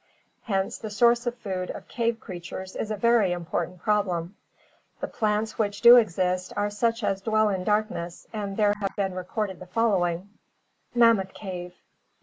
Hence the source of food of cave creatures is a very important problem. The plants which do exist are such as dwell in darkness and there have been recorded the following: 372 ORGANIC EVOLUTION Mammoth Cave: i.